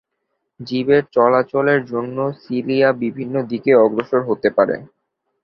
জীবের চলাচলের জন্য সিলিয়া বিভিন্ন দিকে অগ্রসর হতে পারে।